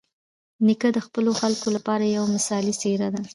نیکه د خپلو خلکو لپاره یوه مثالي څېره ده.